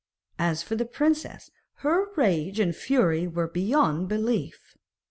As for the princess her rage and fury were beyond belief.